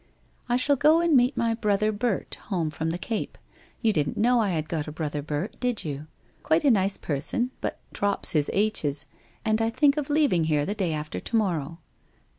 ' I shall go and meet my brother Bert, home from the Cape. You didn't know I had got a brother Bert, did you? Quite a nice person but drops his aitches ! And I think of leaving here the day after to morrow.'